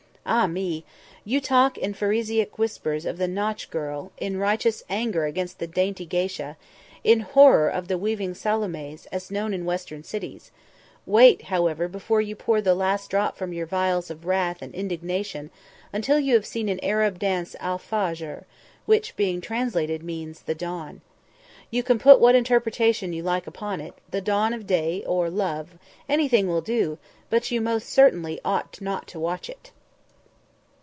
Ah me! you talk in pharisaic whispers of the Nautch girl; in righteous anger against the dainty geisha; in horror of the weaving Salomes as known in Western cities; wait, however, before you pour the last drop from your vials of wrath and indignation until you have seen an Arab dance "al fajr" which, being translated, means the dawn. You can put what interpretation you like upon it: the dawn of day, or love, anything will do, but you most certainly ought not to watch it.